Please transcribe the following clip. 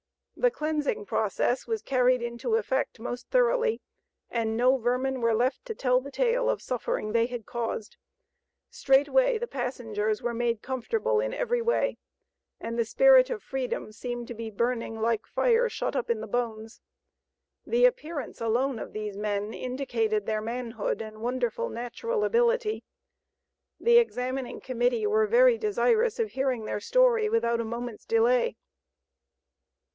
The cleansing process was carried into effect most thoroughly, and no vermin were left to tell the tale of suffering they had caused. Straightway the passengers were made comfortable in every way, and the spirit of freedom seemed to be burning like "fire shut up in the bones." The appearance alone of these men indicated their manhood, and wonderful natural ability. The examining Committee were very desirous of hearing their story without a moment's delay.